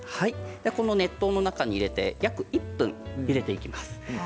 熱湯の中に入れて約１分ゆでていきます。